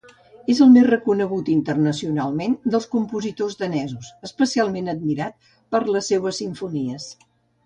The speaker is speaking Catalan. És el més reconegut internacionalment dels compositors danesos, especialment admirat per les seues sis simfonies.